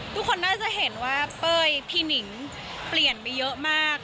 ทุกคนน่าจะเห็นว่าเป้ยพี่หนิงเปลี่ยนไปเยอะมาก